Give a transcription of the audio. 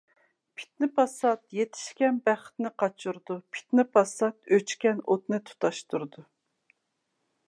پىتنە-پاسات يېتىشكەن بەختنى قاچۇرىدۇ. پىتنە-پاسات ئۆچكەن ئوتنى تۇتاشتۇرىدۇ.